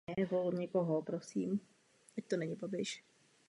Pomocníků chráněný jako národní kulturní památka.